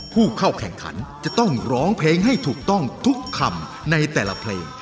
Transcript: ผู้เข้าแข่งขันจะต้องร้องเพลงให้ถูกต้องทุกคำในแต่ละเพลง